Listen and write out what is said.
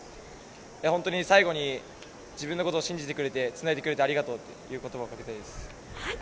本当に最後に自分のことを信じてくれてつないでくれてありがとうということばをかけたいです。